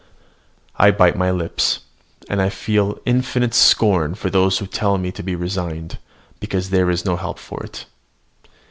I bite my lips, and feel infinite scorn for those who tell me to be resigned, because there is no help for it.